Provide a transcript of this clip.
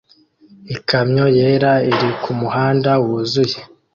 Ikamyo yera iri kumuhanda wuzuye